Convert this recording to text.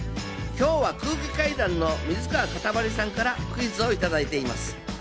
今日は空気階段の水川かたまりさんからクイズをいただいています。